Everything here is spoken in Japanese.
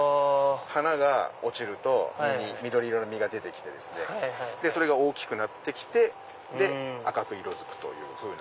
花が落ちると緑色の実が出て来てそれが大きくなって来て赤く色づくというふうな。